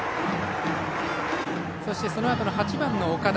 そして、そのあとの８番、岡田。